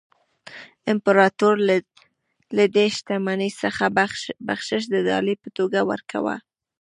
امپراتور له دې شتمنۍ څخه بخشش د ډالۍ په توګه ورکاوه.